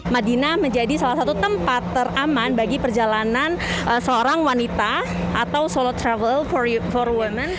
madinah menjadi salah satu tempat teraman bagi perjalanan seorang wanita atau solo travel for women